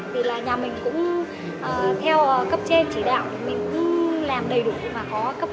thì là nhà mình cũng theo cấp trên chỉ đạo mình cũng làm đầy đủ mà có cấp phép